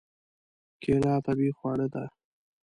کېله طبیعي خواړه ده.